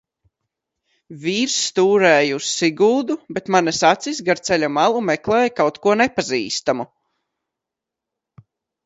Vīrs stūrēja uz Siguldu, bet manas acis gar ceļa malu meklēja kaut ko nepazīstamu.